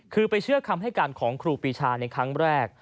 คือไปเชื่อคำให้การของครูปีชาในครั้งแรก